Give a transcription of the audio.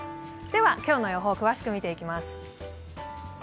今日の予報詳しく見ていきます。